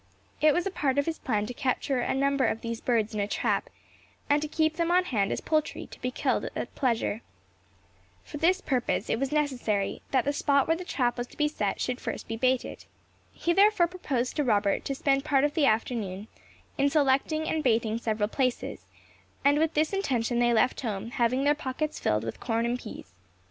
It was part of his plan to capture a number of these birds in a trap, and to keep them on hand as poultry, to be killed at pleasure. For this purpose, it was necessary that the spot where the trap was to be set should first be baited. He therefore proposed to Robert to spend part of the forenoon in selecting and baiting several places; and with this intention they left home, having their pockets filled with corn and peas.